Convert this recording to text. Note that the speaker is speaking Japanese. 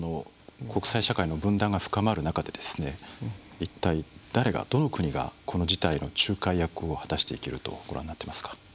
国際社会の分断が深まる中で一体誰がどの国がこの事態の仲介役を果たしていけるとご覧になっていますか。